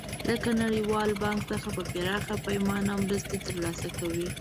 لکه نړیوال بانک څخه په پراخه پیمانه مرستې تر لاسه کوي.